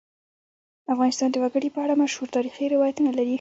افغانستان د وګړي په اړه مشهور تاریخی روایتونه لري.